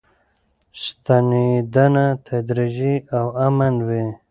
ستنېدنه تدریجي او امن وي.